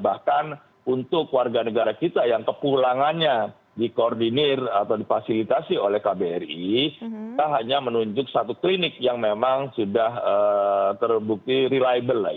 bahkan untuk warga negara kita yang kepulangannya dipaksim tak hanya menunjuk sebuah klinik yang memang terbukti reliable creation